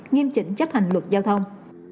nghiêm chỉnh chấp hành luật giao thông